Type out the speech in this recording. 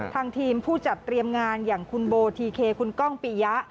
ทางทีมผู้จัดเตรียมงานอย่างคุณโบทีเคคุณก้องปียะ